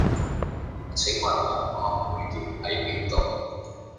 請問紅磡薈點喺邊度？